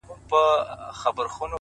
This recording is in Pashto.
داسې په نه خبره نه خبره هيڅ مه کوه”